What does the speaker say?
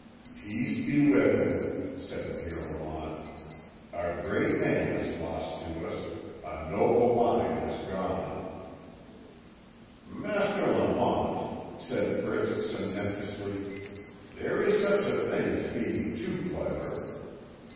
"Peace be with him," said Pierre Lamont. "A great man is lost to us a noble mind has gone." "Master Lamont," said Fritz sententiously, "there is such a thing as being too clever.